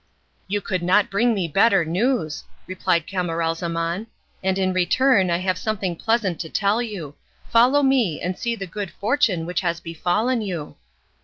"You could not bring me better news," replied Camaralzaman, "and in return I have something pleasant to tell you. Follow me and see the good fortune which has befallen you."